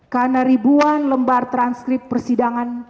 karena ribuan lembar transkrip persidangan